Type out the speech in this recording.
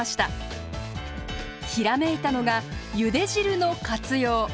ひらめいたのがゆで汁の活用。